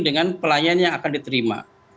dengan pelayan yang akan diterima